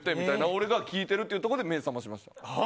俺が聞いているっていうところで目を覚ましました。